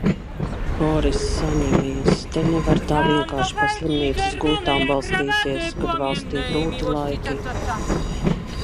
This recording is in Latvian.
Boriss saņemies, te nevar tā vienkārši pa slimnīcas gultām valstīties, kad valstī grūti laiki!